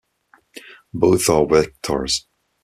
Both are vectors.